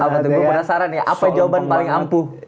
apa tuh gue penasaran ya apa jawaban paling ampuh